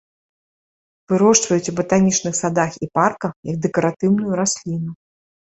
Вырошчваюць ў батанічных садах і парках як дэкаратыўную расліну.